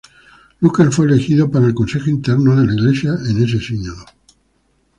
Lucas fue elegido para el Consejo Interno de la Iglesia en ese Sínodo.